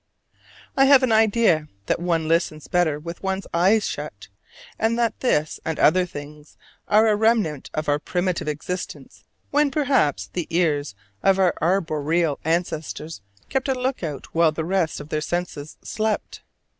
I have an idea that one listens better with one's eyes shut, and that this and other things are a remnant of our primitive existence when perhaps the ears of our arboreal ancestors kept a lookout while the rest of their senses slept.